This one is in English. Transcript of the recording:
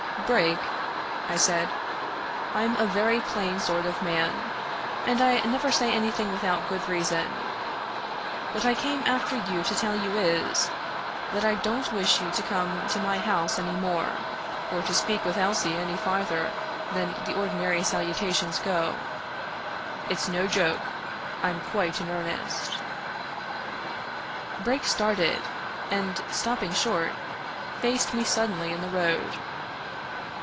" Brake," I said, " I'm a very plain sort of man, and I never say anything without good reason. What I came after you to tell you is, that I don't wish you to come to my house any more, or to speak with Elsie any farther than the ordinary salutations go. It's no joke. I'm quite in earnest" Brake started, and, stopping short, faced me suddenly in the road.